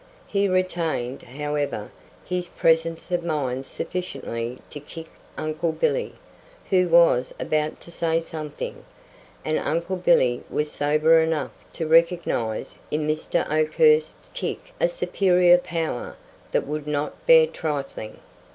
He retained, however, his presence of mind sufficiently to kick Uncle Billy, who was about to say something, and Uncle Billy was sober enough to recognize in Mr. Oakhurst's kick a superior power that would not bear trifling.